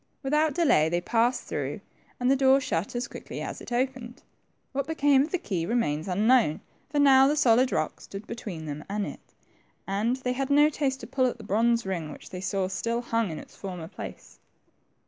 Without delay they passed through, and the door shut as quickly as it opened. What became of the key remains unknown, for now the solid rock stood between them and it, and they had no taste to pull at the bronze ring which they saw still hung in its former place.